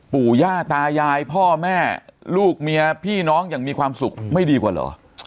ปู่ย่าตายายพ่อแม่ลูกเมียพี่น้องอย่างมีความสุขไม่ดีกว่าเหรอ